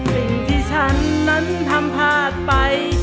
สิ่งที่ฉันนั้นทำพลาดไป